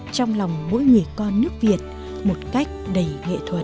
trong lòng mỗi người con nước việt một cách đầy nghệ thuật